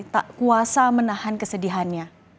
tak kuasa menahan kesedihannya